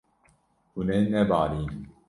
Hûn ê nebarînin.